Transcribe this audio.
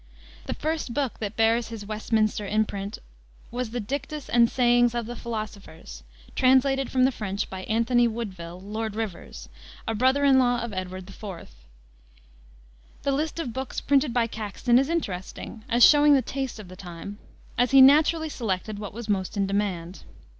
The first book that bears his Westminster imprint was the Dictes and Sayings of the Philosophers, translated from the French by Anthony Woodville, Lord Rivers, a brother in law of Edward IV. The list of books printed by Caxton is interesting, as showing the taste of the time, as he naturally selected what was most in demand.